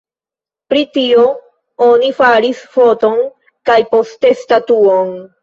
Pri tio oni faris foton kaj poste statuon.